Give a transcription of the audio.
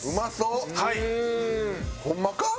ホンマか？